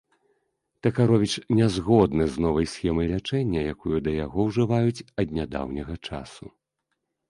Такаровіч не згодны з новай схемай лячэння, якую да яго ўжываюць ад нядаўняга часу.